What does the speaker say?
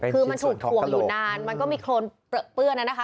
คือมันถูกถ่วงอยู่นานมันก็มีโครนเปลือเปื้อนนะคะ